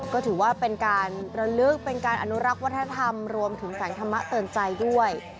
ก็ถือว่าเป็นการระลึกเป็นการอนุรักษ์วัฒนธรรมรวมถึงแสงธรรมะเตือนใจด้วย